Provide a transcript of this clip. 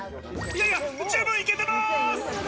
いやいや、十分いけてます。